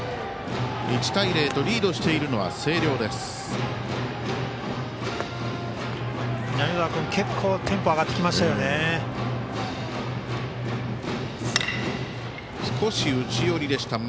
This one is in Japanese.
１対０とリードしている星稜です。